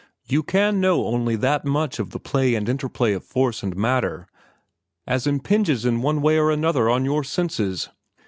"You can know only that much of the play and interplay of force and matter as impinges in one way or another on our senses.